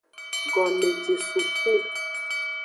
Gomejesuku.